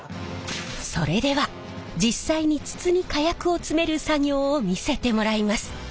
それでは実際に筒に火薬を詰める作業を見せてもらいます。